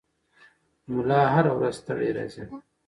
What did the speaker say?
ملا هره ورځ ستړی راځي.